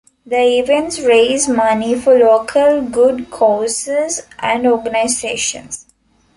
The events raise money for local good causes and organisations.